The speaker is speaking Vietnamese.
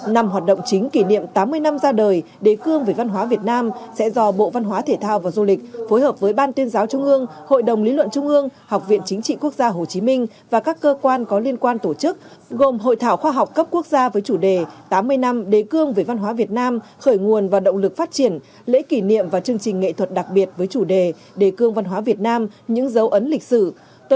năm hoạt động chính kỷ niệm tám mươi năm ra đời đề cương về văn hóa việt nam sẽ do bộ văn hóa thể thao và du lịch phối hợp với ban tuyên giáo trung ương hội đồng lý luận trung ương học viện chính trị quốc gia hồ chí minh và các cơ quan có liên quan tổ chức gồm hội thảo khoa học cấp quốc gia với chủ đề tám mươi năm đề cương về văn hóa việt nam khởi nguồn và động lực phát triển lễ kỷ niệm và chương trình nghệ thuật đặc biệt với chủ đề đề cương văn hóa việt nam những dấu ấn lịch sử